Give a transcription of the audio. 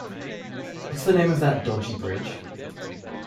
What's the name of that dodgy bridge?